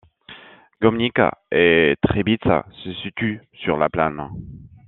Gömnigk et Trebitz se situent sur la Plane.